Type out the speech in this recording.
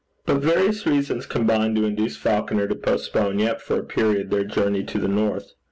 But various reasons combined to induce Falconer to postpone yet for a period their journey to the North.